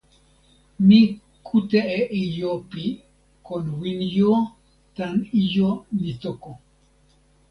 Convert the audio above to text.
mi kute e ijo pi kon Winjo tan ijo Nitoko.